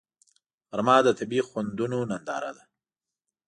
غرمه د طبیعي خوندونو ننداره ده